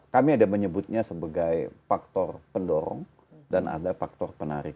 kami ada menyebutnya sebagai faktor pendorong dan ada faktor penarik